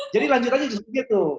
jadi lanjutannya itu